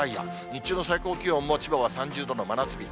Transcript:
日中の最高気温も千葉は３０度の真夏日。